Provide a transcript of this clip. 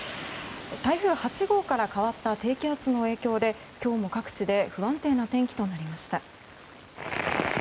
台風８号から変わった低気圧の影響で今日も各地で不安定な天気となりました。